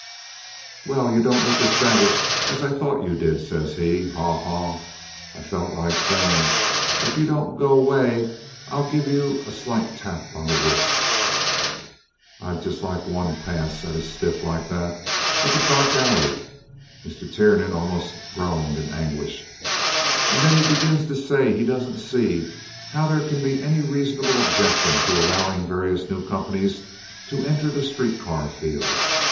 "'Well, you don't look as savage as I thought you did,' says he. Haw haw! I felt like sayin', 'If you don't go way I'll give you a slight tap on the wrist.' I'd like just one pass at a stiff like that up a dark alley." (Mr. Tiernan almost groaned in anguish.) "And then he begins to say he doesn't see how there can be any reasonable objection to allowin' various new companies to enter the street car field.